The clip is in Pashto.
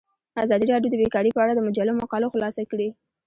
ازادي راډیو د بیکاري په اړه د مجلو مقالو خلاصه کړې.